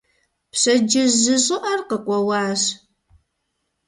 Пщэдджыжь жьы щӀыӀэр къыкъуэуащ.